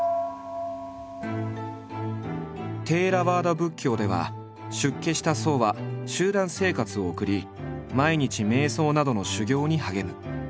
テーラワーダ仏教では出家した僧は集団生活を送り毎日瞑想などの修行に励む。